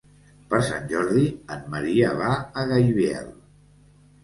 Per Sant Jordi en Maria va a Gaibiel.